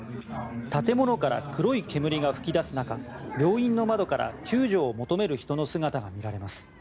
建物から黒い煙が噴き出す中病院の窓から救助を求める人の姿が見られます。